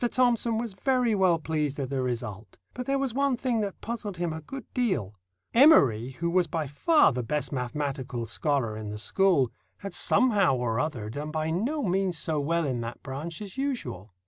Thomson was very well pleased at the result; but there was one thing that puzzled him a good deal—Emory, who was by far the best mathematical scholar in the school, had somehow or other done by no means so well in that branch as usual.